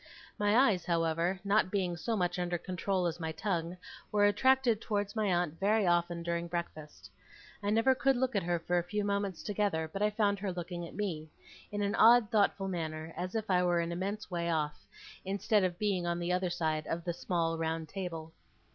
My eyes, however, not being so much under control as my tongue, were attracted towards my aunt very often during breakfast. I never could look at her for a few moments together but I found her looking at me in an odd thoughtful manner, as if I were an immense way off, instead of being on the other side of the small round table.